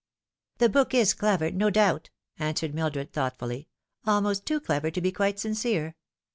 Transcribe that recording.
" The book is clever, no doubt," answered Mildred thought fully, " almost too clever to be quite sincere.